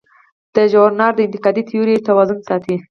دا ژورنال د انتقادي تیورۍ توازن ساتي.